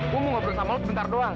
gue mau ngobrol sama lo sebentar doang